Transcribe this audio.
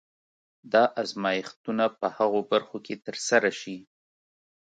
دا ازمایښتونه په هغو برخو کې ترسره شي.